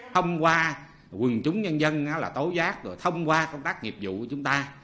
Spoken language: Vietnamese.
thông qua quân chúng nhân dân tố giác thông qua công tác nghiệp vụ của chúng ta